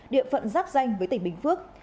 địa phận giác danh với tỉnh bình phước